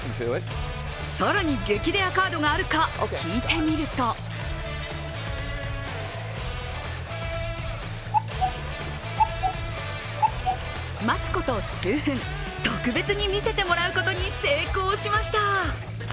更に、激レアカードがあるか聞いてみると待つこと数分、特別に見せてもらうことに成功しました。